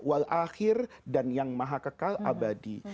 wal akhir dan yang maha kekal abadi